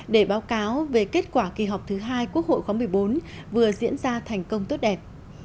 để báo cáo về kết quả kỳ họp thứ hai quốc hội khóa một mươi bốn vừa diễn ra thành công tốt đẹp